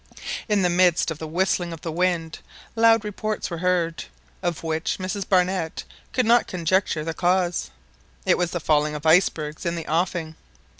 In the midst of the whistling of the wind, loud reports were heard, of which Mrs Barnett could not conjecture the cause. It was the falling of icebergs in the offing.